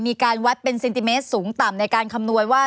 มีการวัดเป็นเซนติเมตรสูงต่ำในการคำนวณว่า